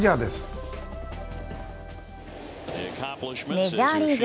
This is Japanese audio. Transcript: メジャーリーグ。